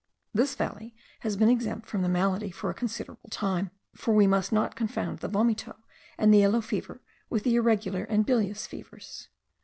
This valley has been exempt from the malady for a considerable time; for we must not confound the vomito and the yellow fever with the irregular and bilious fevers.